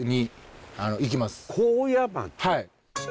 はい。